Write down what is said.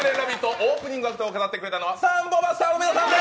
オープニングを飾ってくれたのはサンボマスターの皆さんです！